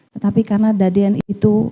tetapi karena daden itu